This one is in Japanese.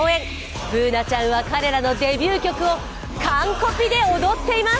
Ｂｏｏｎａちゃんは彼らのデビュー曲を完コピで踊っています。